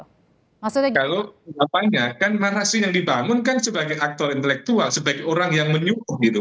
kalau apanya kan narasi yang dibangun kan sebagai aktor intelektual sebagai orang yang menyuruh gitu